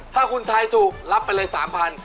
ถ้าคุณไทยถูกรับไปเลย๓๐๐บาท